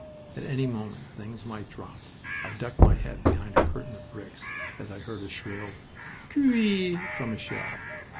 At any moment things might drop. I ducked my head behind a curtain of bricks as I heard a shrill "coo ee!" from a shell.